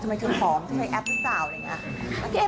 ทำไมเธอผอมใช้แอปหรือเปล่าอะไรอย่างนี้